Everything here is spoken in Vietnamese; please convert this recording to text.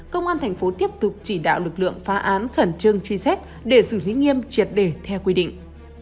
công an thành phố tiếp tục chỉ đạo lực lượng phá án khẩn trương truy xét để xử lý nghiêm triệt đề theo quy định